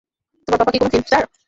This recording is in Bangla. তোমার পাপা কি কোন ফিল্ম স্টার?